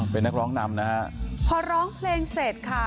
เป็นนักร้องนำนะฮะพอร้องเพลงเสร็จค่ะ